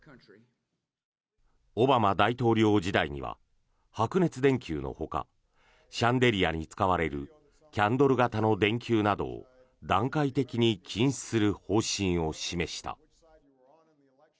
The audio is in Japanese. オバマ大統領時代には白熱電球のほかシャンデリアに使われるキャンドル型の電球などを段階的に禁止する方針を示した。